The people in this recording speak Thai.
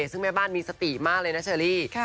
ซึ่งแม่บ้านมีสติมากเลยนะเชอรี่